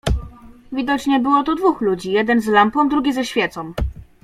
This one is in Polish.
"Widocznie było tu dwóch ludzi, jeden z lampą, drugi ze świecą."